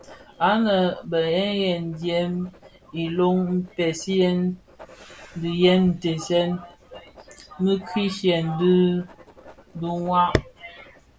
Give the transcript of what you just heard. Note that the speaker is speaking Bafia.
Anë bé ghèn ghèn dièm iloh mpeziyen dhiyèm ntëghèn mikrighe dhi duwa.